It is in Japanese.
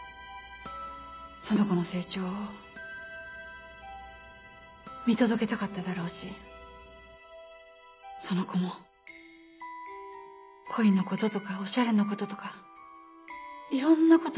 その子の成長を見届けたかっただろうしその子も恋のこととかオシャレのこととかいろんなこと